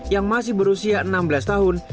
yang masih berusia enam belas tahun